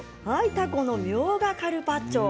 たこのみょうがカルパッチョ。